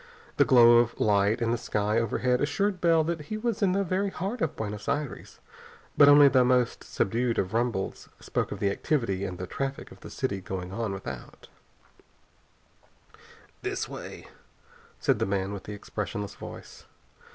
The glow of light in the sky overhead assured Bell that he was in the very heart of Buenos Aires, but only the most subdued of rumbles spoke of the activity and the traffic of the city going on without. "This way," said the man with the expressionless voice.